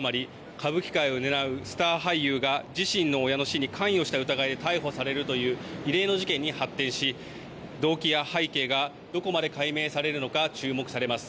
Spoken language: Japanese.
歌舞伎界を担うスター俳優が自身の親の死に関与した疑いで逮捕されるという異例の事件に発展し動機や背景がどこまで解明されるのか注目されます。